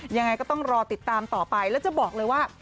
ยังไงก็ต้องรอติดตามต่อไปแล้วจะบอกเลยว่า